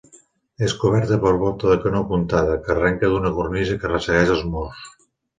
És coberta per volta de canó apuntada, que arrenca d'una cornisa que ressegueix els murs.